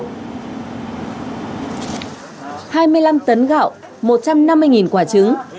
hai mươi năm tấn gạo một trăm năm mươi quả trứng